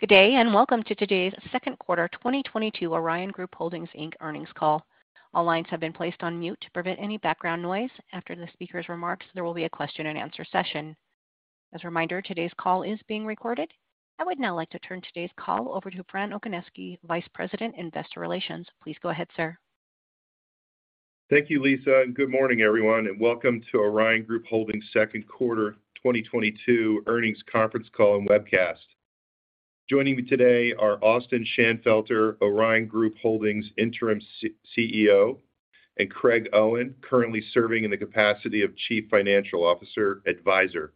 Good day, and welcome to today's second quarter 2022 Orion Group Holdings, Inc earnings call. All lines have been placed on mute to prevent any background noise. After the speaker's remarks, there will be a question-and-answer session. As a reminder, today's call is being recorded. I would now like to turn today's call over to Francis Okoniewski, Vice President, Investor Relations. Please go ahead, sir. Thank you, Lisa, and good morning, everyone, and welcome to Orion Group Holdings second quarter 2022 earnings conference call and webcast. Joining me today are Austin Shanfelter, Orion Group Holdings Interim CEO, and Craig Owen, currently serving in the capacity of Chief Financial Officer Advisor.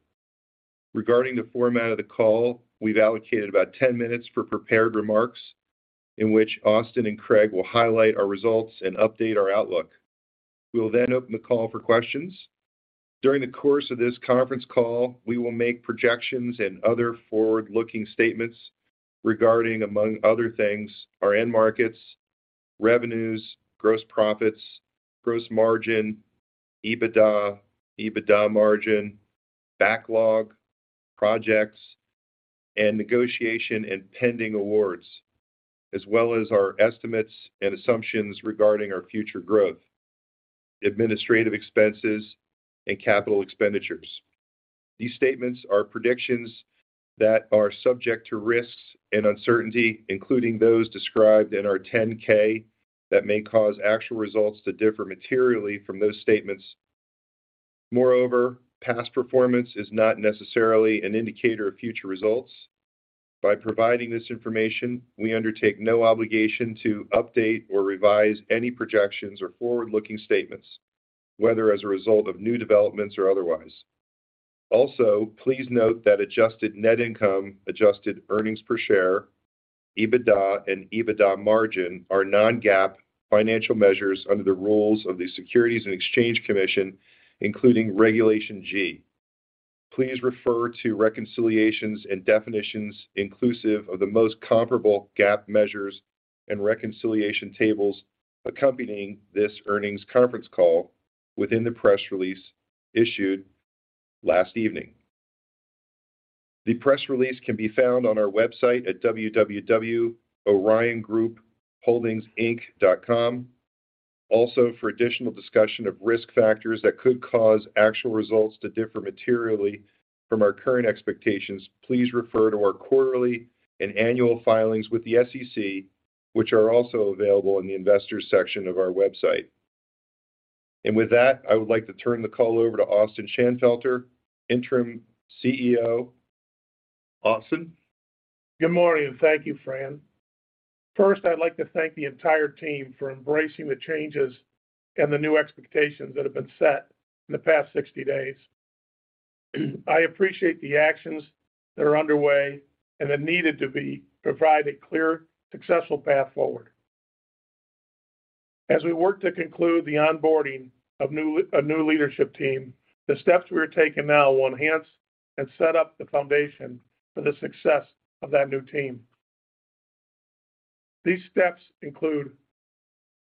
Regarding the format of the call, we've allocated about 10 minutes for prepared remarks in which Austin and Craig will highlight our results and update our outlook. We will then open the call for questions. During the course of this conference call, we will make projections and other forward-looking statements regarding, among other things, our end markets, revenues, gross profits, gross margin, EBITDA margin, backlog, projects, and negotiation and pending awards, as well as our estimates and assumptions regarding our future growth, administrative expenses, and capital expenditures. These statements are predictions that are subject to risks and uncertainty, including those described in our 10-K that may cause actual results to differ materially from those statements. Moreover, past performance is not necessarily an indicator of future results. By providing this information, we undertake no obligation to update or revise any projections or forward-looking statements, whether as a result of new developments or otherwise. Also, please note that adjusted net income, adjusted earnings per share, EBITDA, and EBITDA margin are non-GAAP financial measures under the rules of the Securities and Exchange Commission, including Regulation G. Please refer to reconciliations and definitions inclusive of the most comparable GAAP measures and reconciliation tables accompanying this earnings conference call within the press release issued last evening. The press release can be found on our website at www.oriongroupholdingsinc.com. Also, for additional discussion of risk factors that could cause actual results to differ materially from our current expectations, please refer to our quarterly and annual filings with the SEC, which are also available in the investors section of our website. With that, I would like to turn the call over to Austin Shanfelter, Interim CEO. Austin. Good morning, and thank you, Fran. First, I'd like to thank the entire team for embracing the changes and the new expectations that have been set in the past 60 days. I appreciate the actions that are underway and that needed to be provided a clear, successful path forward. As we work to conclude the onboarding of a new leadership team, the steps we are taking now will enhance and set up the foundation for the success of that new team. These steps include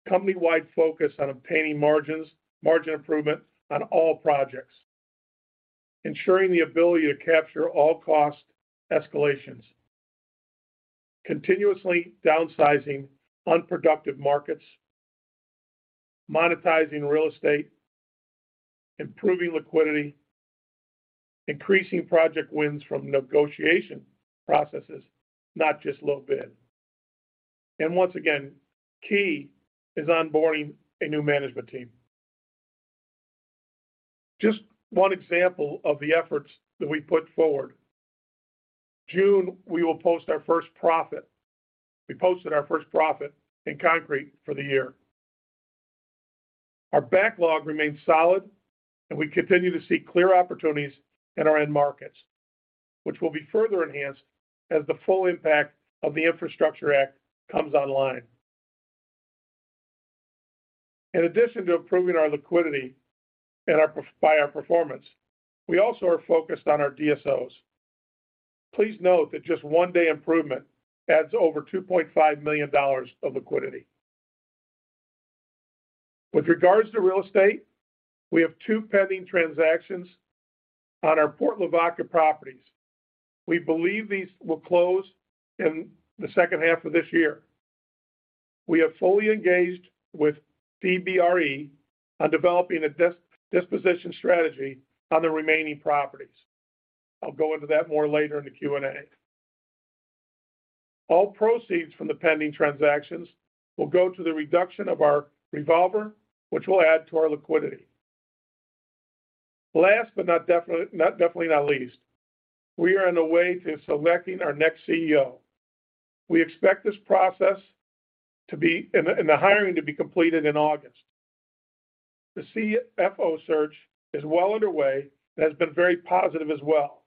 company-wide focus on obtaining margins, margin improvement on all projects. Ensuring the ability to capture all cost escalations. Continuously downsizing unproductive markets, monetizing real estate, improving liquidity, increasing project wins from negotiation processes, not just low bid. Once again, key is onboarding a new management team. Just one example of the efforts that we put forward. June, we will post our first profit. We posted our first profit in concrete for the year. Our backlog remains solid, and we continue to see clear opportunities in our end markets, which will be further enhanced as the full impact of the Infrastructure Act comes online. In addition to improving our liquidity by our performance, we also are focused on our DSOs. Please note that just one-day improvement adds over $2.5 million of liquidity. With regards to real estate, we have two pending transactions on our Port Lavaca properties. We believe these will close in the second half of this year. We have fully engaged with CBRE on developing a disposition strategy on the remaining properties. I'll go into that more later in the Q&A. All proceeds from the pending transactions will go to the reduction of our revolver, which will add to our liquidity. Last, but not least, we are on the way to selecting our next CEO. We expect this process to be and the hiring to be completed in August. The CFO search is well underway and has been very positive as well.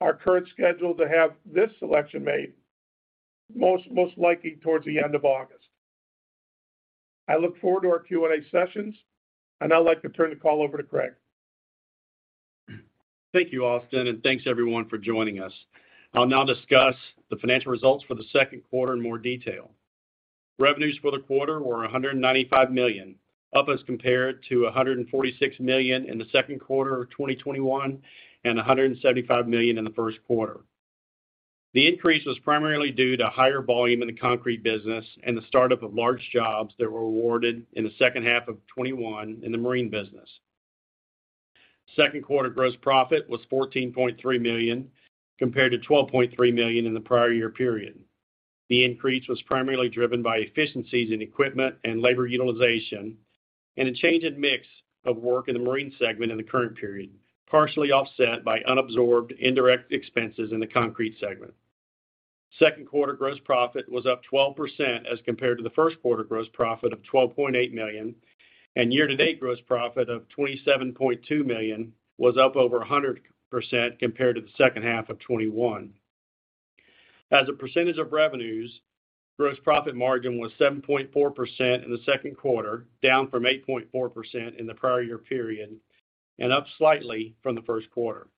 Our current schedule to have this selection made most likely towards the end of August. I look forward to our Q&A sessions, and I'd like to turn the call over to Craig. Thank you, Austin, and thanks everyone for joining us. I'll now discuss the financial results for the second quarter in more detail. Revenue for the quarter was $195 million, up as compared to $146 million in the second quarter of 2021 and $175 million in the first quarter. The increase was primarily due to higher volume in the concrete business and the start of large jobs that were awarded in the second half of 2021 in the marine business. Second quarter gross profit was $14.3 million compared to $12.3 million in the prior year period. The increase was primarily driven by efficiencies in equipment and labor utilization, and a change in mix of work in the marine segment in the current period, partially offset by unabsorbed indirect expenses in the concrete segment. Second quarter gross profit was up 12% as compared to the first quarter gross profit of $12.8 million, and year-to-date gross profit of $27.2 million was up over 100% compared to the second half of 2021. As a percentage of revenues, gross profit margin was 7.4% in the second quarter, down from 8.4% in the prior year period, and up slightly from the first quarter.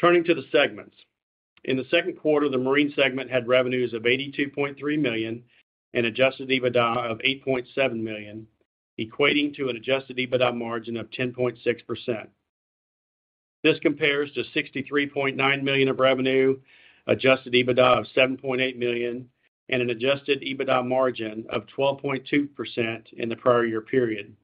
Turning to the segments. In the second quarter, the marine segment had revenues of $82.3 million and adjusted EBITDA of $8.7 million, equating to an adjusted EBITDA margin of 10.6%. This compares to $63.9 million of revenue, adjusted EBITDA of $7.8 million, and an adjusted EBITDA margin of 12.2% in the prior year period.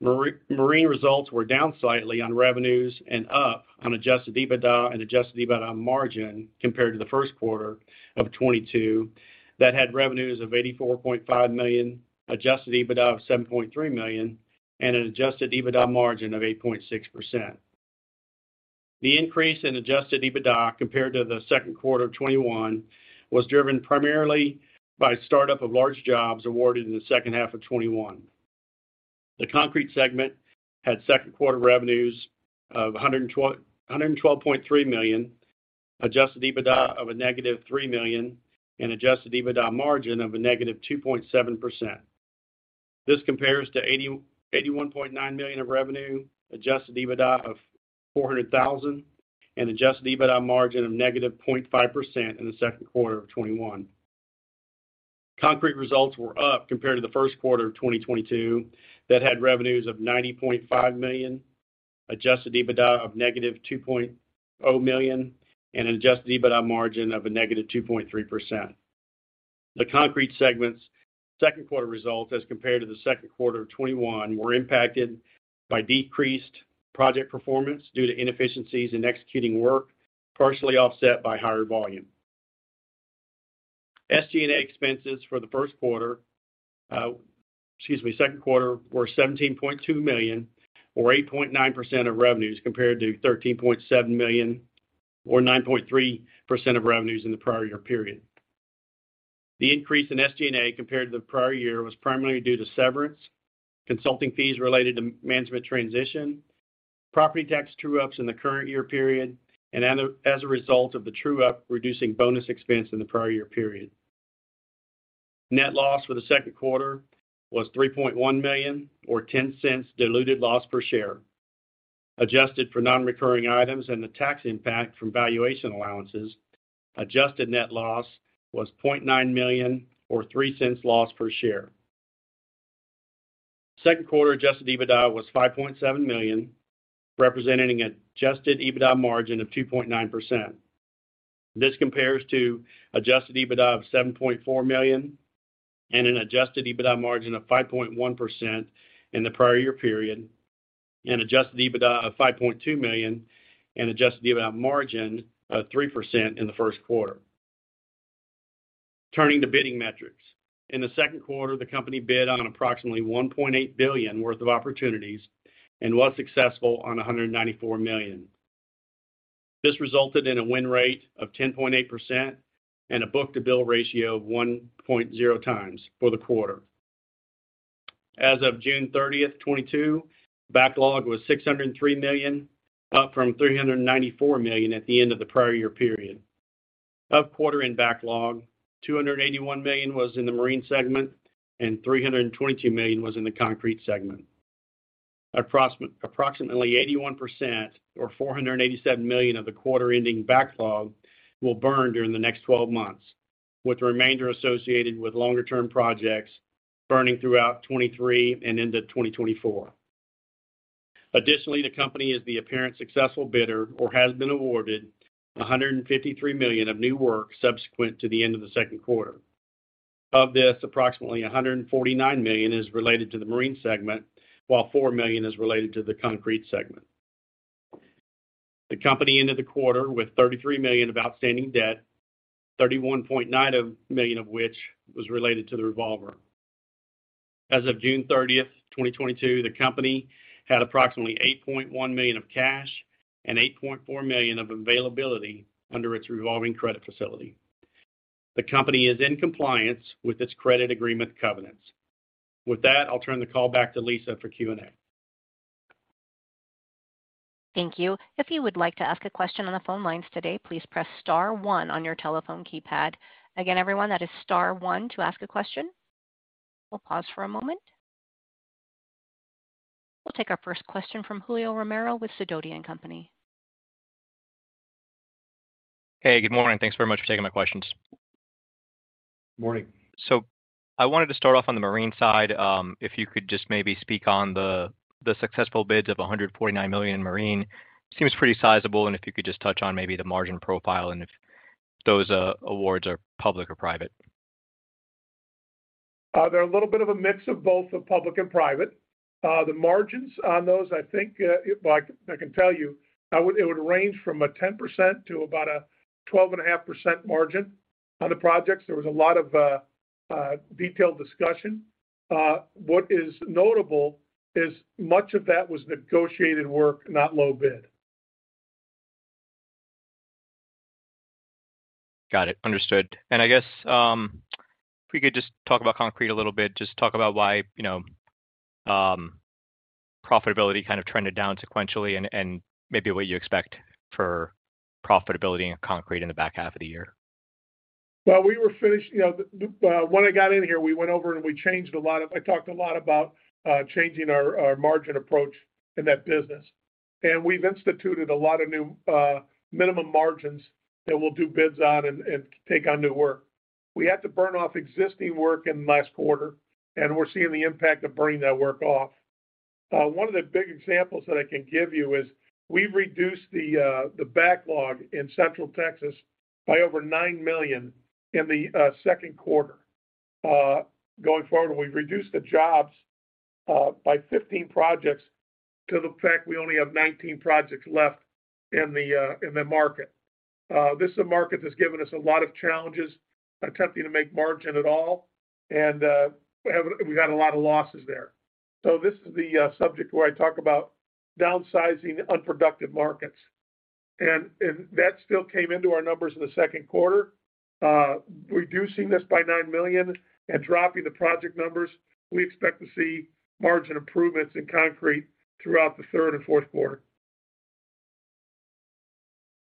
Marine results were down slightly on revenues and up on adjusted EBITDA and adjusted EBITDA margin compared to the first quarter of 2022 that had revenues of $84.5 million, adjusted EBITDA of $7.3 million, and an adjusted EBITDA margin of 8.6%. The increase in adjusted EBITDA compared to the second quarter of 2021 was driven primarily by startup of large jobs awarded in the second half of 2021. The concrete segment had second quarter revenues of $112.3 million, adjusted EBITDA of -$3 million and adjusted EBITDA margin of -2.7%. This compares to $81.9 million of revenue, adjusted EBITDA of $400,000 and adjusted EBITDA margin of -0.5% in the second quarter of 2021. Concrete results were up compared to the first quarter of 2022 that had revenues of $90.5 million, adjusted EBITDA of -$2.0 million and an adjusted EBITDA margin of -2.3%. The concrete segment's second quarter results as compared to the second quarter of 2021 were impacted by decreased project performance due to inefficiencies in executing work, partially offset by higher volume. SG&A expenses for the first quarter, second quarter were $17.2 million or 8.9% of revenues, compared to $13.7 million or 9.3% of revenues in the prior year period. The increase in SG&A compared to the prior year was primarily due to severance, consulting fees related to management transition, property tax true-ups in the current year period and other. As a result of the true-up, reducing bonus expense in the prior year period. Net loss for the second quarter was $3.1 million or $0.10 diluted loss per share. Adjusted for non-recurring items and the tax impact from valuation allowances, adjusted net loss was $0.9 million or $0.03 loss per share. Second quarter adjusted EBITDA was $5.7 million, representing adjusted EBITDA margin of 2.9%. This compares to adjusted EBITDA of $7.4 million and an adjusted EBITDA margin of 5.1% in the prior year period, and adjusted EBITDA of $5.2 million and adjusted EBITDA margin of 3% in the first quarter. Turning to bidding metrics. In the second quarter, the company bid on approximately $1.8 billion worth of opportunities and was successful on $194 million. This resulted in a win rate of 10.8% and a book-to-bill ratio of 1.0x for the quarter. As of June 30th, 2022, backlog was $603 million, up from $394 million at the end of the prior year period. Of the quarter-end backlog, $281 million was in the marine segment and $322 million was in the concrete segment. Approximately 81% or $487 million of the quarter-end backlog will burn during the next 12 months, with the remainder associated with longer-term projects burning throughout 2023 and into 2024. Additionally, the company is the apparent successful bidder or has been awarded $153 million of new work subsequent to the end of the second quarter. Of this, approximately $149 million is related to the marine segment, while $4 million is related to the concrete segment. The company ended the quarter with $33 million of outstanding debt, $31.9 million of which was related to the revolver. As of June 30th, 2022, the company had approximately $8.1 million of cash and $8.4 million of availability under its revolving credit facility. The company is in compliance with its credit agreement covenants. With that, I'll turn the call back to Lisa for Q&A. Thank you. If you would like to ask a question on the phone lines today, please press star one on your telephone keypad. Again, everyone that is star one to ask a question. We'll pause for a moment. We'll take our first question from Julio Romero with Sidoti & Company. Hey, good morning. Thanks very much for taking my questions. Morning. I wanted to start off on the marine side. If you could just maybe speak on the successful bids of $149 million in marine. Seems pretty sizable, and if you could just touch on maybe the margin profile and if those awards are public or private. They're a little bit of a mix of both public and private. The margins on those, I think, well, I can tell you. It would range from 10% to about a 12.5% margin on the projects. There was a lot of detailed discussion. What is notable is much of that was negotiated work, not low bid. Got it. Understood. I guess if we could just talk about concrete a little bit. Just talk about why, you know, profitability kind of trended down sequentially and maybe what you expect for profitability in concrete in the back half of the year. You know, when I got in here, we went over and we changed. I talked a lot about changing our margin approach in that business. We've instituted a lot of new minimum margins that we'll do bids on and take on new work. We had to burn off existing work in the last quarter, and we're seeing the impact of burning that work off. One of the big examples that I can give you is we've reduced the backlog in Central Texas by over $9 million in the second quarter. Going forward, we've reduced the jobs by 15 projects to the fact we only have 19 projects left in the market. This is a market that's given us a lot of challenges attempting to make margin at all and we've had a lot of losses there. This is the subject where I talk about downsizing unproductive markets. That still came into our numbers in the second quarter. Reducing this by $9 million and dropping the project numbers, we expect to see margin improvements in concrete throughout the third and fourth quarter.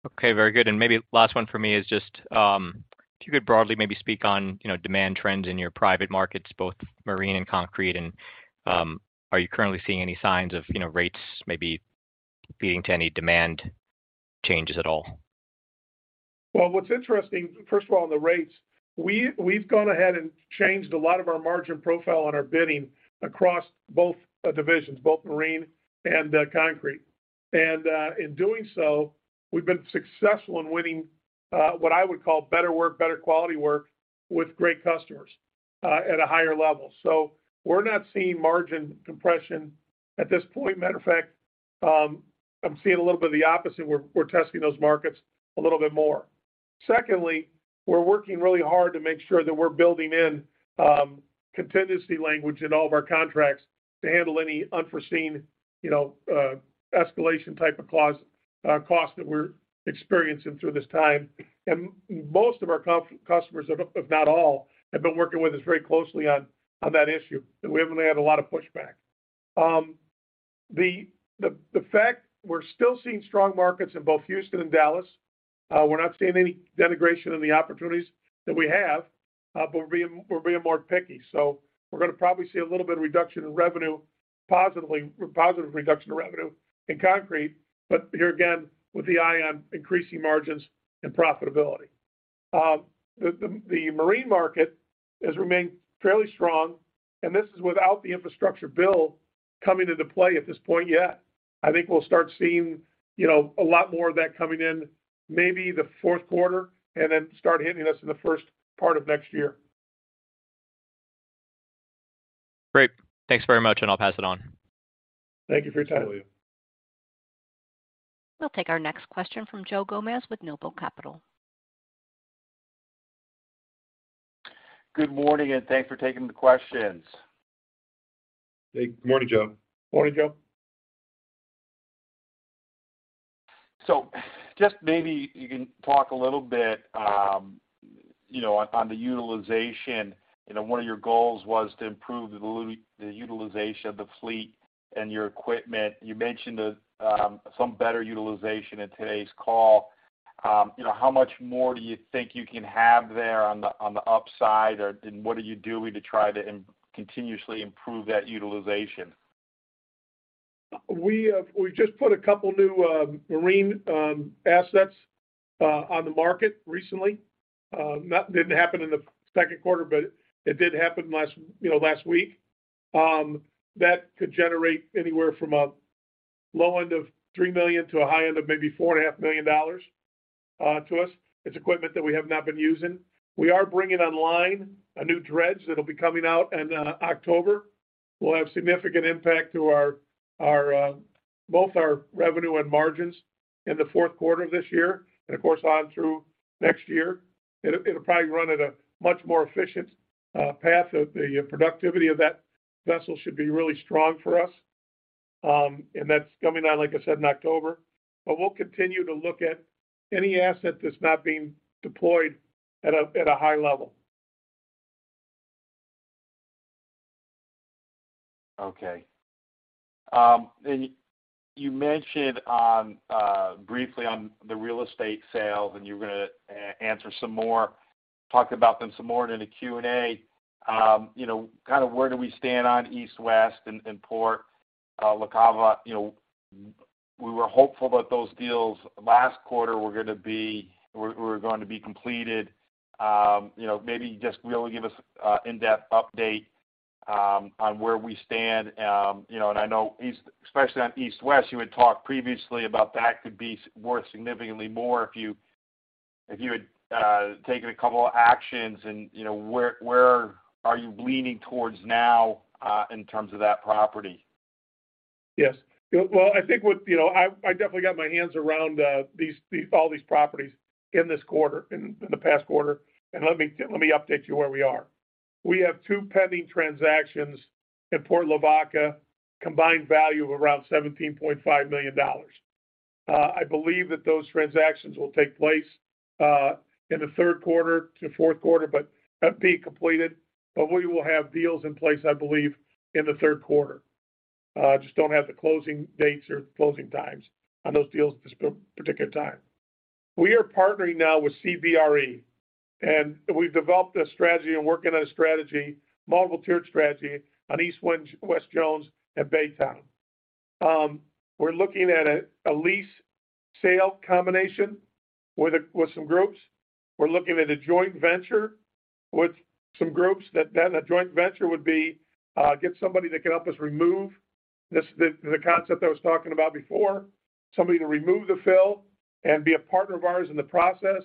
Okay. Very good. Maybe last one for me is just, if you could broadly maybe speak on, you know, demand trends in your private markets, both marine and concrete. Are you currently seeing any signs of, you know, rates maybe leading to any demand changes at all? Well, what's interesting, first of all, on the rates, we've gone ahead and changed a lot of our margin profile on our bidding across both divisions, both marine and concrete. In doing so, we've been successful in winning what I would call better work, better quality work with great customers at a higher level. We're not seeing margin compression at this point. Matter of fact, I'm seeing a little bit of the opposite. We're testing those markets a little bit more. Secondly, we're working really hard to make sure that we're building in contingency language in all of our contracts to handle any unforeseen, you know, escalation type of clause, cost that we're experiencing through this time. Most of our customers, if not all, have been working with us very closely on that issue. We haven't had a lot of pushback. The fact we're still seeing strong markets in both Houston and Dallas, we're not seeing any deterioration in the opportunities that we have, but we're being more picky. We're gonna probably see a little bit of reduction in revenue, positive reduction in revenue in concrete. Here again, with the eye on increasing margins and profitability. The marine market has remained fairly strong, and this is without the infrastructure bill coming into play at this point yet. I think we'll start seeing, you know, a lot more of that coming in maybe the fourth quarter and then start hitting us in the first part of next year. Great. Thanks very much, and I'll pass it on. Thank you for your time. We'll take our next question from Joe Gomes with Noble Capital. Good morning, and thanks for taking the questions. Hey. Morning, Joe. Just maybe you can talk a little bit, you know, on the utilization. You know, one of your goals was to improve the utilization of the fleet and your equipment. You mentioned some better utilization in today's call. You know, how much more do you think you can have there on the upside, and what are you doing to try to continuously improve that utilization? We just put a couple new marine assets on the market recently. It didn't happen in the second quarter, but it did happen last, you know, last week. That could generate anywhere from a low end of $3 million to a high end of maybe $4.5 million to us. It's equipment that we have not been using. We are bringing online a new dredge that'll be coming out in October. It will have significant impact to both our revenue and margins in the fourth quarter of this year and, of course, on through next year. It'll probably run at a much more efficient path. The productivity of that vessel should be really strong for us. That's coming out, like I said, in October. We'll continue to look at any asset that's not being deployed at a high level. Okay. You mentioned briefly on the real estate sales, and you were gonna answer some more, talk about them some more in the Q&A. You know, kind of where do we stand on East & West Jones and Port Lavaca? You know, we were hopeful that those deals last quarter were going to be completed. You know, maybe just be able to give us an in-depth update on where we stand. You know, I know especially on East & West Jones, you had talked previously about that could be worth significantly more if you had taken a couple of actions and, you know, where are you leaning towards now in terms of that property? Yes. Well, I think, you know, I definitely got my hands around all these properties in this quarter, in the past quarter. Let me update you where we are. We have two pending transactions at Port Lavaca, combined value of around $17.5 million. I believe that those transactions will take place in the third quarter to fourth quarter, but not being completed. We will have deals in place, I believe, in the third quarter. I just don't have the closing dates or closing times on those deals this particular time. We are partnering now with CBRE, and we've developed a strategy and working on a strategy, multiple tiered strategy on East & West Jones at Baytown. We're looking at a lease sale combination with some groups. We're looking at a joint venture with some groups that a joint venture would be to get somebody that can help us remove this, the concept I was talking about before, somebody to remove the fill and be a partner of ours in the process,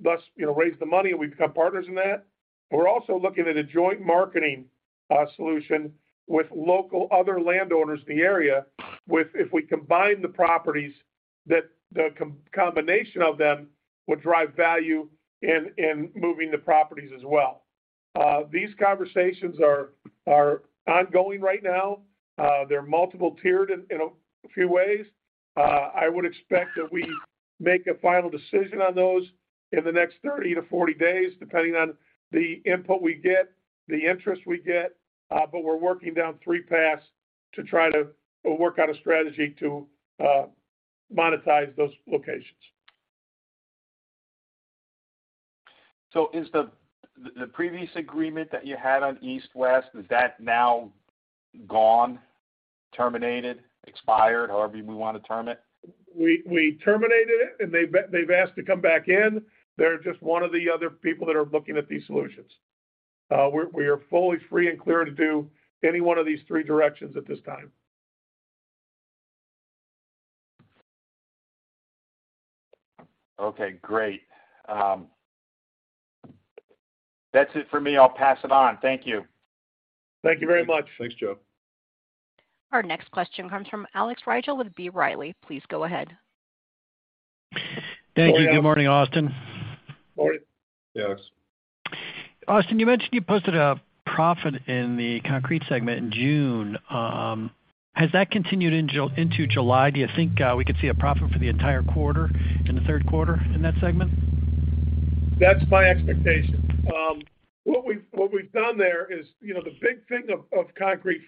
thus, you know, raise the money and we become partners in that. We're also looking at a joint marketing solution with local other landowners in the area with if we combine the properties that the combination of them would drive value in moving the properties as well. These conversations are ongoing right now. They're multiple tiered in a few ways. I would expect that we make a final decision on those in the next 30-40 days, depending on the input we get, the interest we get. We're working down three paths to try to work out a strategy to monetize those locations. Is the previous agreement that you had on East & West, is that now gone, terminated, expired? However you want to term it. We terminated it, and they've asked to come back in. They're just one of the other people that are looking at these solutions. We are fully free and clear to do any one of these three directions at this time. Okay, great. That's it for me. I'll pass it on. Thank you. Thank you very much. Thanks, Joe. Our next question comes from Alex Rygiel with B. Riley. Please go ahead. Thank you. Good morning, Austin. Morning. Hey, Alex. Austin, you mentioned you posted a profit in the concrete segment in June. Has that continued into July? Do you think we could see a profit for the entire quarter in the third quarter in that segment? That's my expectation. What we've done there is, you know, the big thing of concrete,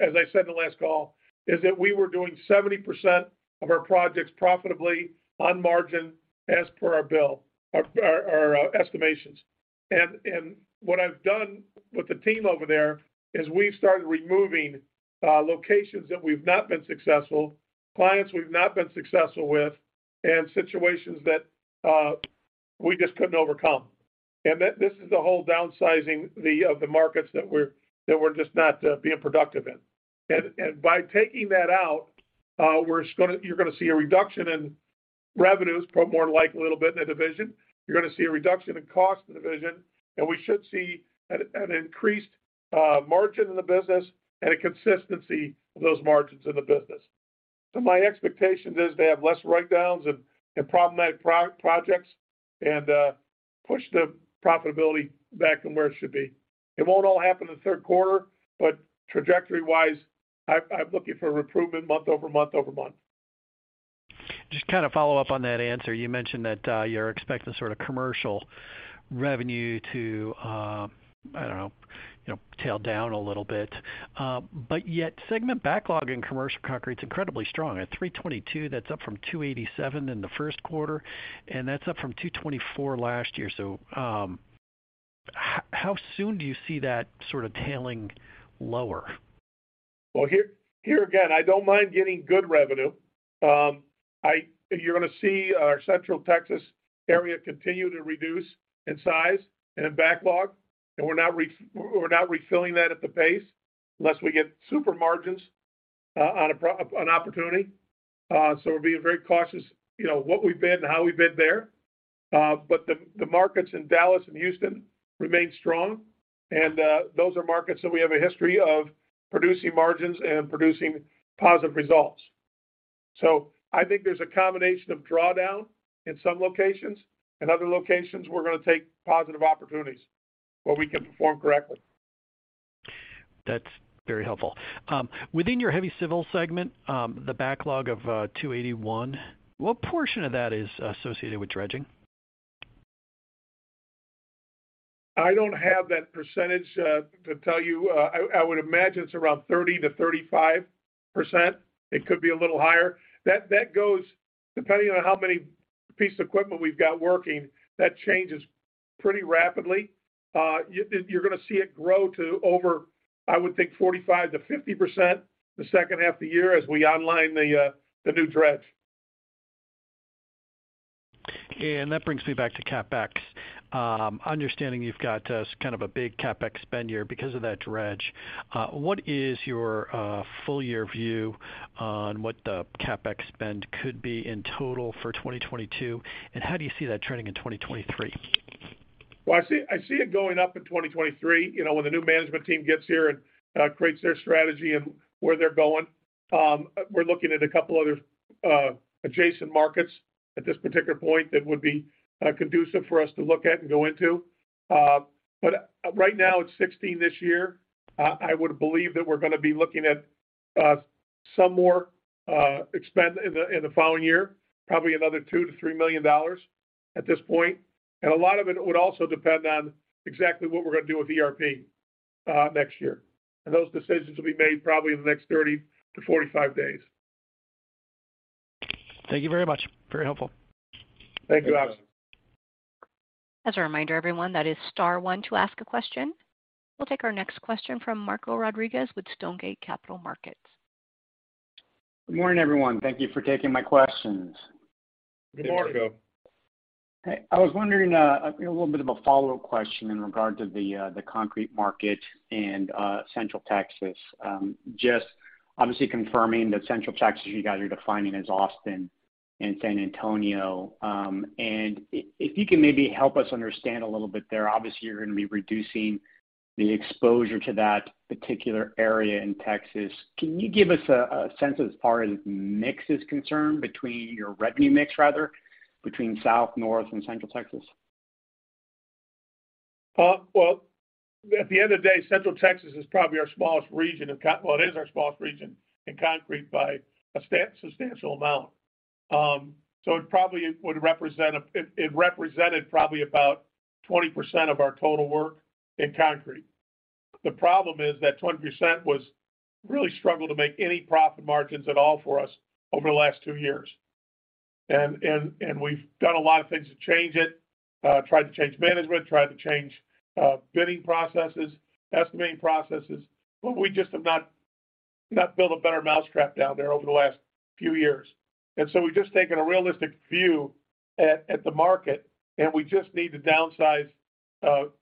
as I said in the last call, is that we were doing 70% of our projects profitably on margin as per our book-to-bill or our estimations. What I've done with the team over there is we've started removing locations that we've not been successful, clients we've not been successful with, and situations that we just couldn't overcome. That this is the whole downsizing of the markets that we're just not being productive in. By taking that out, we're just gonna you're gonna see a reduction in revenues, probably more like a little bit in the division. You're gonna see a reduction in cost in the division, and we should see an increased margin in the business and a consistency of those margins in the business. My expectation is to have less write-downs and problematic projects and push the profitability back from where it should be. It won't all happen in the third quarter, but trajectory-wise, I'm looking for improvement month-over-month. Just to kind of follow up on that answer. You mentioned that you're expecting sort of commercial revenue to, I don't know, you know, tail down a little bit. But yet segment backlog in commercial concrete is incredibly strong. At 322, that's up from 287 in the first quarter, and that's up from 224 last year. How soon do you see that sort of tailing lower? Well, here again, I don't mind getting good revenue. You're gonna see our Central Texas area continue to reduce in size and in backlog, and we're not refilling that at the pace unless we get super margins on opportunity. So we're being very cautious, you know, what we've been and how we've been there. But the markets in Dallas and Houston remain strong, and those are markets that we have a history of producing margins and producing positive results. I think there's a combination of drawdown in some locations. In other locations, we're gonna take positive opportunities where we can perform correctly. That's very helpful. Within your heavy civil segment, the backlog of $281, what portion of that is associated with dredging? I don't have that percentage to tell you. I would imagine it's around 30%-35%. It could be a little higher. That goes depending on how many pieces of equipment we've got working, that changes pretty rapidly. You're gonna see it grow to over, I would think 45%-50% the second half of the year as we online the new dredge. That brings me back to CapEx. Understanding you've got kind of a big CapEx spend year because of that dredge, what is your full year view on what the CapEx spend could be in total for 2022? How do you see that turning in 2023? Well, I see it going up in 2023, you know, when the new management team gets here and creates their strategy and where they're going. We're looking at a couple of other adjacent markets at this particular point that would be conducive for us to look at and go into. But right now it's 16 this year. I would believe that we're gonna be looking at some more expansion in the following year, probably another $2 million-$3 million at this point. A lot of it would also depend on exactly what we're gonna do with ERP next year. Those decisions will be made probably in the next 30-45 days. Thank you very much. Very helpful. Thank you, Alex. As a reminder, everyone, that is star one to ask a question. We'll take our next question from Marco Rodriguez with Stonegate Capital Markets. Good morning, everyone. Thank you for taking my questions. Good morning. Hey, Marco. I was wondering, a little bit of a follow question in regard to the concrete market in Central Texas. Just obviously confirming that Central Texas, you guys are defining as Austin and San Antonio. If you can maybe help us understand a little bit there. Obviously, you're gonna be reducing the exposure to that particular area in Texas. Can you give us a sense as far as mix is concerned between your revenue mix rather between South, North, and Central Texas? Well, at the end of the day, Central Texas is probably our smallest region in concrete by a substantial amount. So it probably would represent a. It represented probably about 20% of our total work in concrete. The problem is that 20% was really struggled to make any profit margins at all for us over the last two years. We've done a lot of things to change it, tried to change management, tried to change bidding processes, estimating processes, but we just have not built a better mousetrap down there over the last few years. We've just taken a realistic view at the market, and we just need to downsize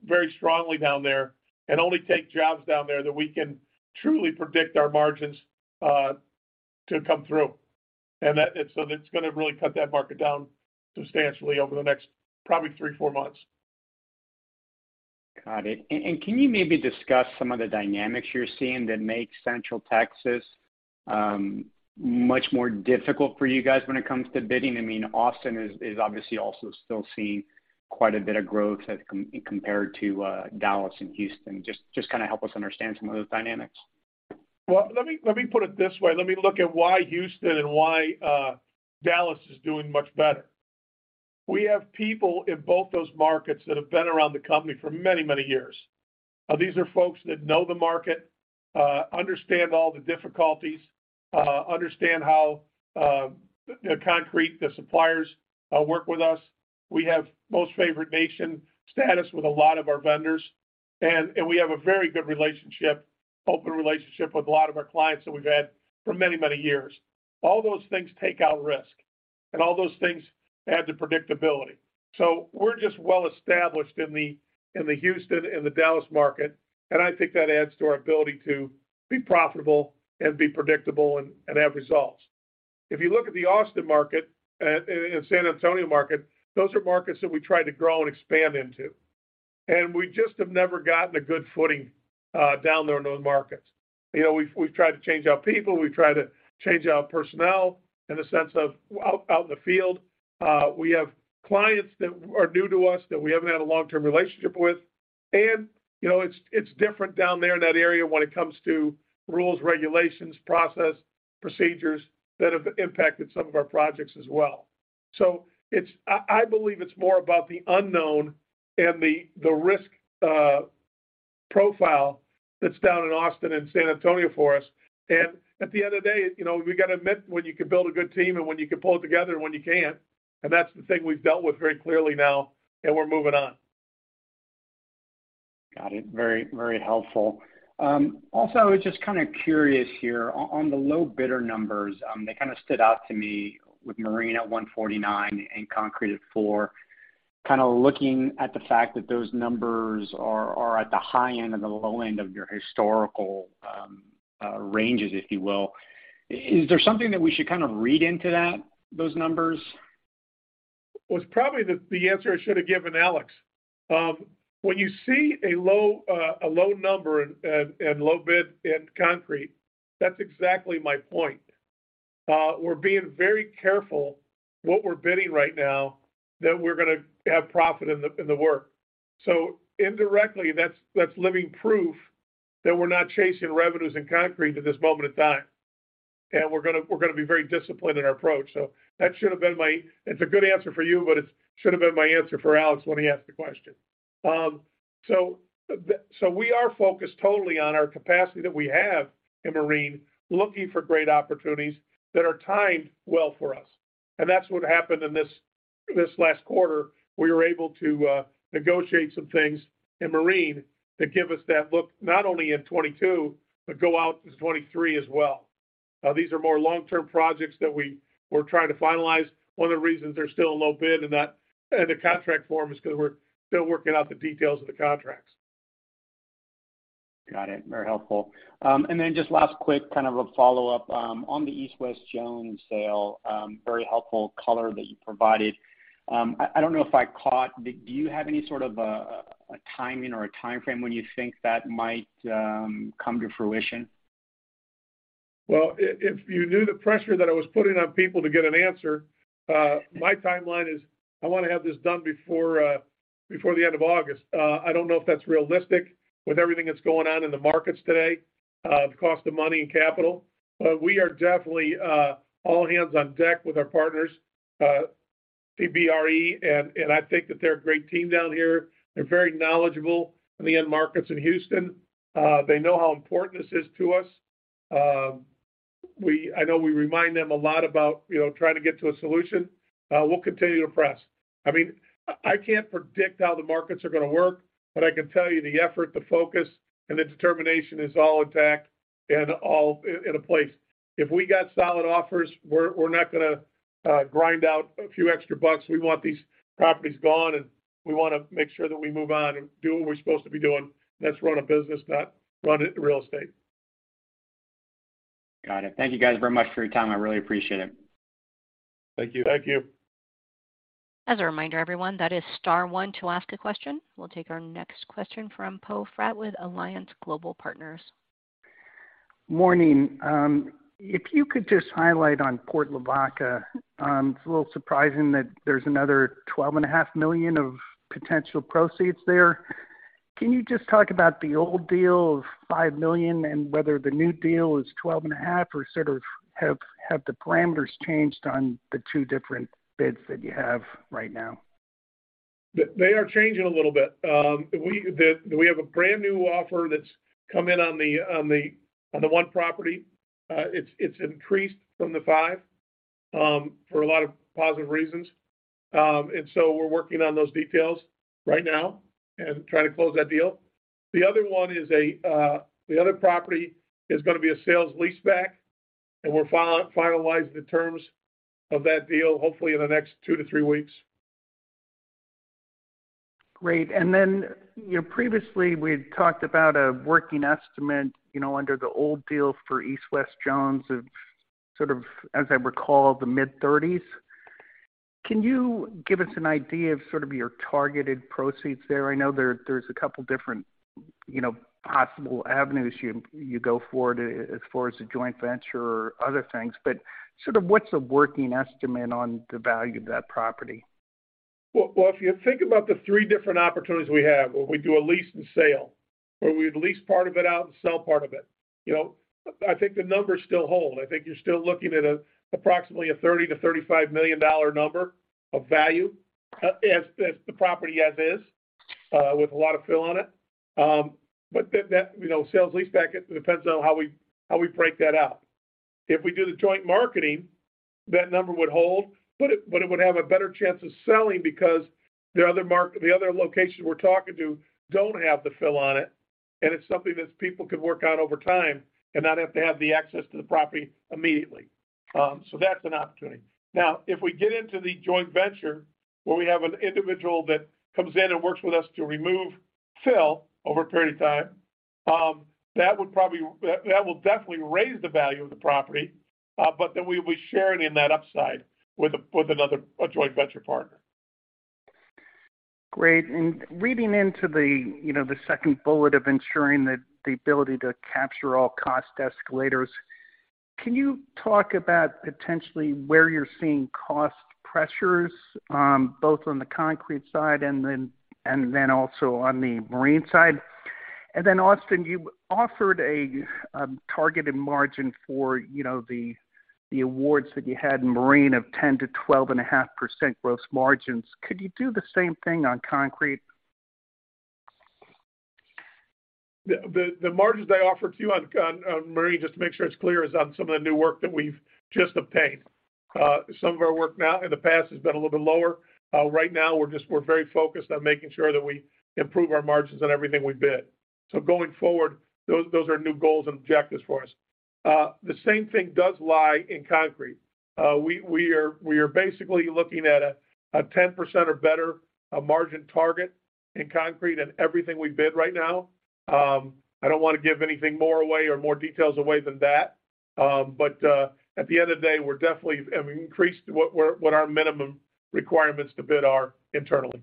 very strongly down there and only take jobs down there that we can truly predict our margins to come through. It's gonna really cut that market down substantially over the next probably three to four months. Got it. Can you maybe discuss some of the dynamics you're seeing that make Central Texas much more difficult for you guys when it comes to bidding? I mean, Austin is obviously also still seeing quite a bit of growth as compared to Dallas and Houston. Just kinda help us understand some of those dynamics. Well, let me put it this way. Let me look at why Houston and why Dallas is doing much better. We have people in both those markets that have been around the company for many, many years. Now, these are folks that know the market, understand all the difficulties, understand how the concrete, the suppliers work with us. We have most favored nation status with a lot of our vendors, and we have a very good relationship, open relationship with a lot of our clients that we've had for many, many years. All those things take out risk, and all those things add to predictability. We're just well established in the Houston and the Dallas market, and I think that adds to our ability to be profitable and be predictable and have results. If you look at the Austin market and San Antonio market, those are markets that we try to grow and expand into. We just have never gotten a good footing down there in those markets. You know, we've tried to change our people, we've tried to change our personnel in the sense of out in the field. We have clients that are new to us that we haven't had a long-term relationship with. You know, it's different down there in that area when it comes to rules, regulations, process, procedures that have impacted some of our projects as well. I believe it's more about the unknown and the risk profile that's down in Austin and San Antonio for us. At the end of the day, you know, we gotta admit when you can build a good team and when you can pull it together and when you can't, and that's the thing we've dealt with very clearly now, and we're moving on. Got it. Very, very helpful. Also, I was just kind of curious here on the low bidder numbers. They kind of stood out to me with Marine 149 and concrete at four, kind of looking at the fact that those numbers are at the high end and the low end of your historical ranges, if you will. Is there something that we should kind of read into that, those numbers? Well, it's probably the answer I should have given Alex. When you see a low number and low bid in concrete, that's exactly my point. We're being very careful what we're bidding right now, that we're gonna have profit in the work. Indirectly, that's living proof that we're not chasing revenues in concrete at this moment in time. We're gonna be very disciplined in our approach. That should have been my answer. It's a good answer for you, but it should have been my answer for Alex when he asked the question. We are focused totally on our capacity that we have in marine, looking for great opportunities that are timed well for us. That's what happened in this last quarter. We were able to negotiate some things in marine to give us that look, not only in 2022, but go out to 2023 as well. These are more long-term projects that we're trying to finalize. One of the reasons they're still a low bid in that, in the contract form is 'cause we're still working out the details of the contracts. Got it. Very helpful. Just last quick kind of a follow-up on the East & West Jones sale, very helpful color that you provided. I don't know if I caught, did you have any sort of a timing or a timeframe when you think that might come to fruition? Well, if you knew the pressure that I was putting on people to get an answer, my timeline is I wanna have this done before the end of August. I don't know if that's realistic with everything that's going on in the markets today, the cost of money and capital. We are definitely all hands on deck with our partners, CBRE, and I think that they're a great team down here. They're very knowledgeable in the end markets in Houston. They know how important this is to us. I know we remind them a lot about, you know, trying to get to a solution. We'll continue to press. I mean, I can't predict how the markets are gonna work, but I can tell you the effort, the focus, and the determination is all intact and all in place. If we got solid offers, we're not gonna grind out a few extra bucks. We want these properties gone, and we wanna make sure that we move on and do what we're supposed to be doing. Let's run a business, not run real estate. Got it. Thank you guys very much for your time. I really appreciate it. Thank you. As a reminder, everyone, that is star one to ask a question. We'll take our next question from Poe Fratt with Alliance Global Partners. Morning. If you could just highlight on Port Lavaca, it's a little surprising that there's another $12.5 million of potential proceeds there. Can you just talk about the old deal of $5 million and whether the new deal is $12.5 million, or sort of have the parameters changed on the two different bids that you have right now? They are changing a little bit. We have a brand new offer that's come in on the one property. It's increased from the five for a lot of positive reasons. We're working on those details right now and trying to close that deal. The other property is gonna be a sale-leaseback, and we're finalizing the terms of that deal, hopefully in the next two to three weeks. Great. Then, you know, previously, we talked about a working estimate, you know, under the old deal for East & West Jones of sort of, as I recall, the mid-30s. Can you give us an idea of sort of your targeted proceeds there? I know there's a couple different, you know, possible avenues you go forward as far as the joint venture or other things. But sort of what's a working estimate on the value of that property? Well, well, if you think about the three different opportunities we have, where we do a lease and sale, where we lease part of it out and sell part of it, you know, I think the numbers still hold. I think you're still looking at approximately $30 million-$35 million number of value as the property as is, with a lot of fill on it. That, you know, sale-leaseback, it depends on how we break that out. If we do the joint marketing, that number would hold. It would have a better chance of selling because the other locations we're talking to don't have the fill on it, and it's something that people could work out over time and not have to have the access to the property immediately. That's an opportunity. Now, if we get into the joint venture, where we have an individual that comes in and works with us to remove fill over a period of time, that will definitely raise the value of the property, but then we'll be sharing in that upside with another joint venture partner. Great. Reading into the, you know, the second bullet of ensuring the ability to capture all cost escalators, can you talk about potentially where you're seeing cost pressures, both on the concrete side and then also on the marine side? Austin, you offered a targeted margin for, you know, the awards that you had in marine of 10%-12.5% gross margins. Could you do the same thing on concrete? The margins I offered to you on marine, just to make sure it's clear, is on some of the new work that we've just obtained. Some of our work now in the past has been a little bit lower. Right now we're very focused on making sure that we improve our margins on everything we bid. Going forward, those are new goals and objectives for us. The same thing does lie in concrete. We are basically looking at a 10% or better margin target in concrete in everything we bid right now. I don't wanna give anything more away or more details away than that. At the end of the day, we're definitely have increased what our minimum requirements to bid are internally.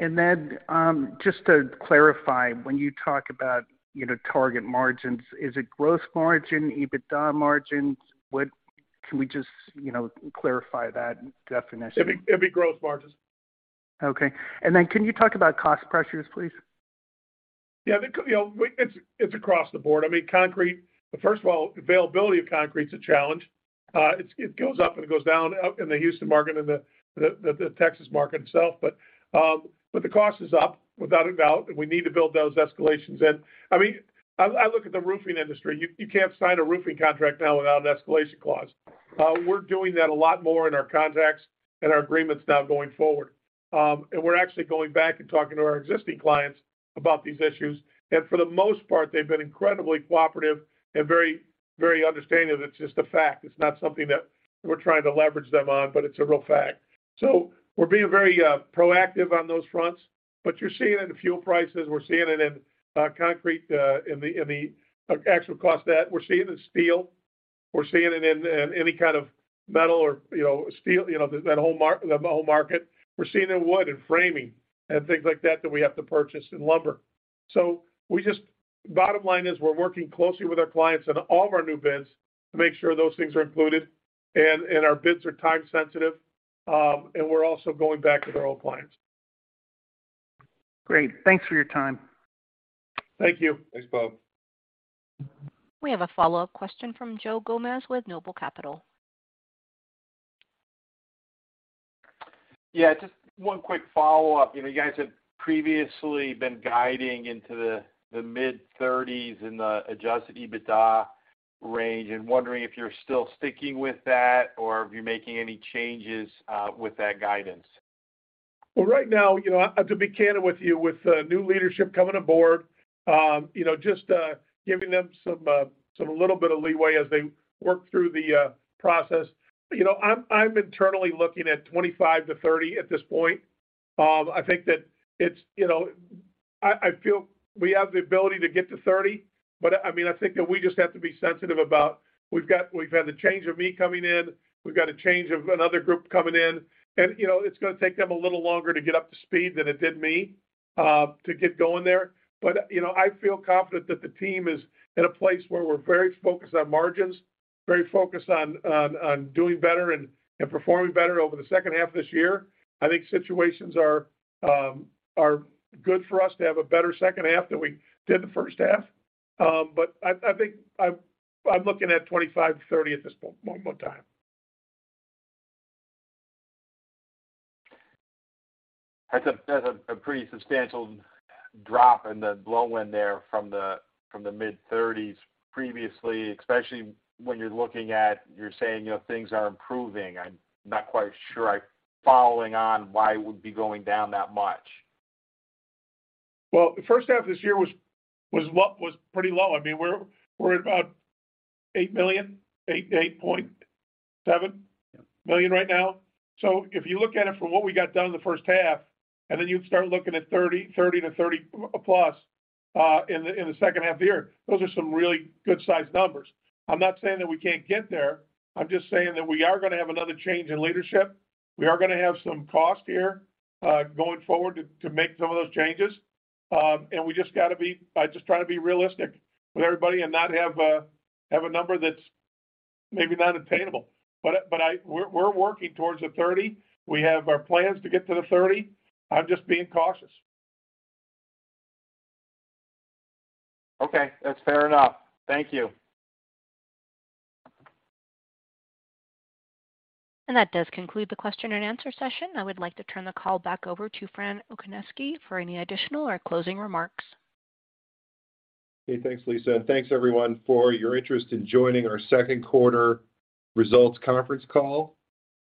Just to clarify, when you talk about, you know, target margins, is it gross margin, EBITDA margins? What? Can we just, you know, clarify that definition? It'd be gross margins. Okay. Can you talk about cost pressures, please? Yeah. It's across the board. I mean, concrete. First of all, availability of concrete is a challenge. It goes up and it goes down out in the Houston market and the Texas market itself. But the cost is up without a doubt, and we need to build those escalations in. I mean, I look at the roofing industry. You can't sign a roofing contract now without an escalation clause. We're doing that a lot more in our contracts and our agreements now going forward. We're actually going back and talking to our existing clients about these issues. For the most part, they've been incredibly cooperative and very, very understanding that it's just a fact. It's not something that we're trying to leverage them on, but it's a real fact. We're being very proactive on those fronts. You're seeing it in fuel prices. We're seeing it in concrete, in the actual cost that. We're seeing it in steel. We're seeing it in any kind of metal or, you know, steel, you know, that whole market. We're seeing it in wood and framing and things like that we have to purchase, and lumber. Bottom line is we're working closely with our clients in all of our new bids to make sure those things are included, and our bids are time sensitive, and we're also going back with our old clients. Great. Thanks for your time. Thank you. Thanks, Poe. We have a follow-up question from Joe Gomes with Noble Capital. Yeah, just one quick follow-up. You know, you guys have previously been guiding into the mid-30s in the adjusted EBITDA range, and wondering if you're still sticking with that or if you're making any changes with that guidance? Well, right now, you know, I, to be candid with you, with, new leadership coming aboard, you know, just, giving them some little bit of leeway as they work through the, process. You know, I'm internally looking at 25-30 at this point. I think that it's, you know, I feel we have the ability to get to 30, but, I mean, I think that we just have to be sensitive about we've had the change of me coming in, we've got a change of another group coming in. You know, it's gonna take them a little longer to get up to speed than it did me, to get going there. You know, I feel confident that the team is in a place where we're very focused on margins, very focused on doing better and performing better over the second half of this year. I think situations are good for us to have a better second half than we did the first half. I think I'm looking at 25%-30% at this point, one more time. That's a pretty substantial drop in the backlog there from the mid-thirties previously, especially when you're looking at, you're saying, you know, things are improving. I'm not quite sure I'm following on why it would be going down that much. Well, the first half of this year was pretty low. I mean, we're at about $8.7 million right now. If you look at it from what we got done in the first half, and then you start looking at $30 million to $30+ million in the second half of the year, those are some really good size numbers. I'm not saying that we can't get there. I'm just saying that we are gonna have another change in leadership. We are gonna have some cost here going forward to make some of those changes. We just gotta be just trying to be realistic with everybody and not have a number that's maybe not attainable. We're working towards the 30. We have our plans to get to the 30. I'm just being cautious. Okay. That's fair enough. Thank you. That does conclude the question and answer session. I would like to turn the call back over to Fran Okoniewski for any additional or closing remarks. Okay. Thanks, Lisa. Thanks everyone for your interest in joining our second quarter results conference call.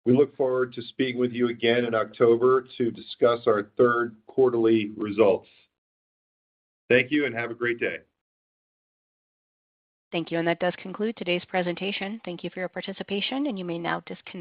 We look forward to speaking with you again in October to discuss our third quarterly results. Thank you and have a great day. Thank you. That does conclude today's presentation. Thank you for your participation, and you may now disconnect.